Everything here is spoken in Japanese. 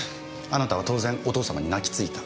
あなたは当然お父様に泣きついた。